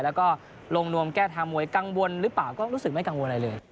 แล้วก็ลงนวมแก้ทางมวยกังวลหรือเปล่าก็รู้สึกไม่กังวลอะไรเลย